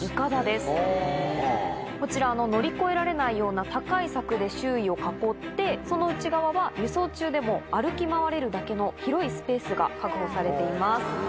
こちら乗り越えられないような高い柵で周囲を囲ってその内側は輸送中でも歩き回れるだけの広いスペースが確保されています。